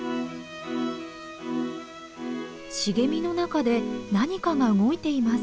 茂みの中で何かが動いています。